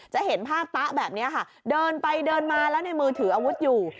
จะเห็นภาพตะแบบนี้ค่ะเดินไปเดินมาแล้วในมือถืออาวุธอยู่